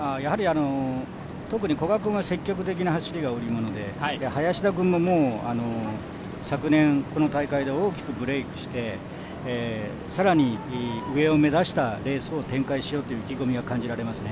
特に古賀君は積極的な走りが売り物で、林田君ももう昨年、この大会で大きくブレークして更に、上を目指したレースを展開しようという意気込みを感じられますね。